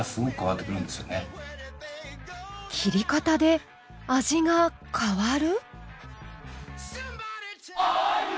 切り方で味が変わる？